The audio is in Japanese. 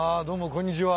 こんにちは。